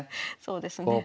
そうですね。